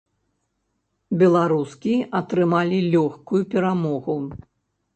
Беларускі атрымалі лёгкую перамогу.